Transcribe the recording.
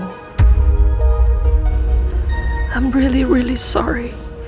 saya sungguh sungguh minta maaf